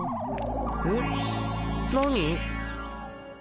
えっ？何？